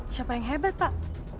siapa yang hebat pak